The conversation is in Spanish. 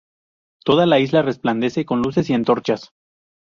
Toda la isla resplandece con luces y antorchas.